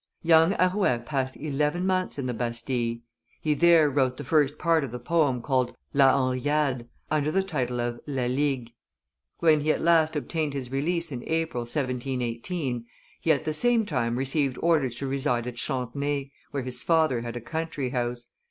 Young Arouet passed eleven months in the Bastille; he there wrote the first part of the poem called La Henriade, under the title of La Ligue; when he at last obtained his release in April, 1718, he at the same time received orders to reside at Chatenay, where his father had a country house.